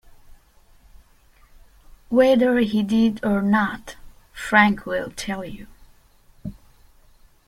Whether he did or not, Frank will tell you.